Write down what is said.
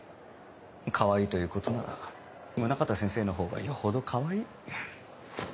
かわいいという事なら宗方先生のほうがよほどかわいい。